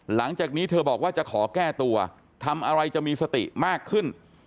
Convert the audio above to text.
หลังจากนี้เธอบอกว่าจะขอแก้ตัวทำอะไรจะมีสติมากขึ้น